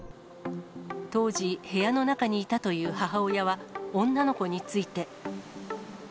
当時、部屋の中にいたという母親は、女の子について。